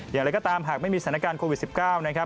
อย่างไรก็ตามหากไม่มีสถานการณ์โควิด๑๙นะครับ